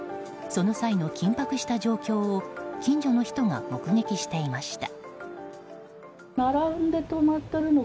その際の緊迫した状況を近所の人が目撃していました。